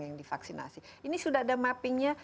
yang divaksinasi ini sudah ada mappingnya